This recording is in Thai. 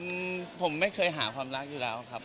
ผมไม่เคยหาความรักอยู่แล้วครับ